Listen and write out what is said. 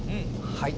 はい。